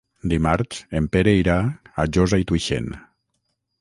Dimarts en Pere irà a Josa i Tuixén.